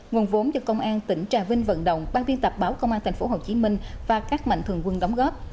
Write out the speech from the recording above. nguồn vốn do công an tỉnh trà vinh vận động ban biên tập báo công an tp hcm và các mạnh thường quân đóng góp